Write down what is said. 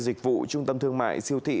dịch vụ trung tâm thương mại siêu thị